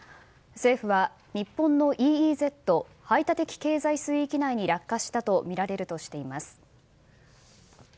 政府は、日本のＥＥＺ・排他的経済水域内に落下したとみられるとしています。